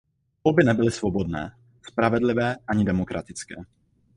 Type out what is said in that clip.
Volby nebyly svobodné, spravedlivé ani demokratické.